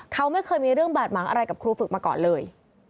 เขาไม่เคยมีเรื่องบาดหมางอะไรกับครูฝึกมาก่อนเลย